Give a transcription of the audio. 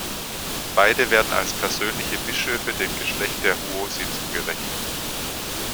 Beide werden als „persönliche Bischöfe“ dem Geschlecht der Huosi zugerechnet.